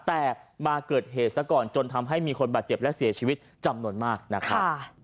แต่มาเกิดเหตุซะก่อนจนทำให้มีคนบาดเจ็บและเสียชีวิตจำนวนมากนะครับ